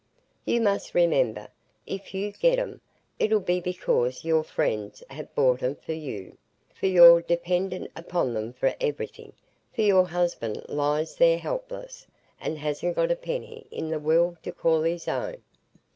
You must remember, if you get 'em, it'll be because your friends have bought 'em for you, for you're dependent upon them for everything; for your husband lies there helpless, and hasn't got a penny i' the world to call his own.